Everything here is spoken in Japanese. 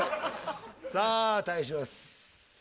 さあ対します